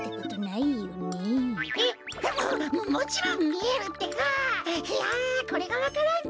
いやこれがわか蘭か。